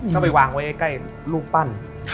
ก็ไปวางไว้ใกล้รูปปั้น